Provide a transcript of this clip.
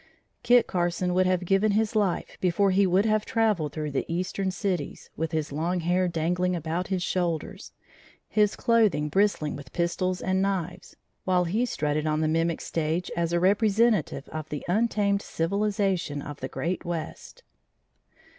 Kit Carson would have given his life before he would have travelled through the eastern cities, with his long hair dangling about his shoulders, his clothing bristling with pistols and knives, while he strutted on the mimic stage as a representative of the untamed civilization of the great west.